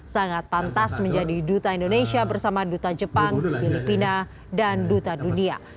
sangat pantas menjadi duta indonesia bersama duta jepang filipina dan duta dunia